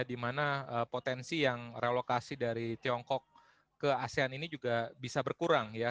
di mana potensi yang relokasi dari tiongkok ke asean ini juga bisa berkurang ya